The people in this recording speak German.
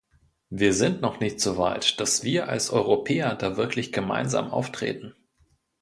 Wir sind noch nicht so weit, dass wir als Europäer da wirklich gemeinsam auftreten.